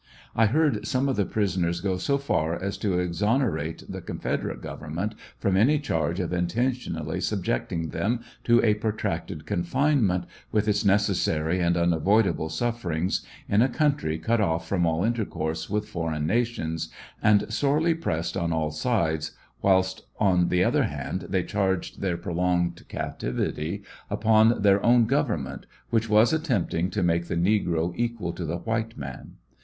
I heard some of the prisoners go so far as to exonerate the Confederate Gov ernment from any charge of intentionally subjecting them to a protracted confinement, with its necessary and unavoidable suffer ings, in a country cut off from all intercourse with foreign nations, and sorely pressed on all sides, whilst on the other hand they charged their prolonged captivity upon their own government, which was attempting to make the negro equal to the white man.